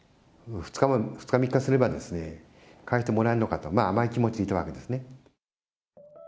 ２日、３日すれば帰してもらえるのかと、甘い気持ちでいたわけですね。